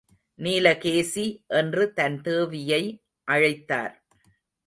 நீலகேசி என்று தன் தேவியை அழைத்தார்.